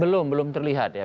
belum belum terlihat ya